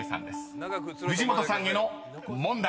［藤本さんへの問題］